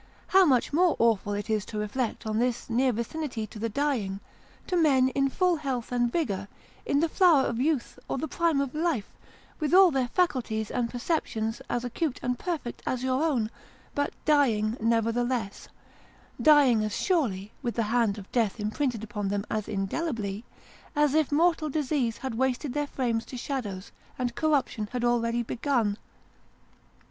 How much more awful is it to reflect on this near vicinity to the dying to men in full health and vigour, in the flower of youth or the prime of life, with all their faculties and perceptions as acute and perfect as your own ; but dying, nevertheless dying as surely with the hand of death im printed upon them as indelibly as if mortal disease had wasted their frames to shadows, and corruption had already begun